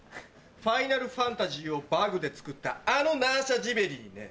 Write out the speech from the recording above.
『ファイナルファンタジー』をバグで作ったあのナーシャ・ジベリにね。